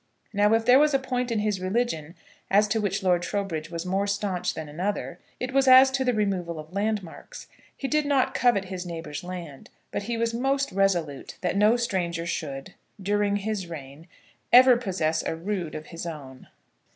Now, if there was a point in his religion as to which Lord Trowbridge was more staunch than another, it was as to the removal of landmarks. He did not covet his neighbour's land; but he was most resolute that no stranger should, during his reign, ever possess a rood of his own.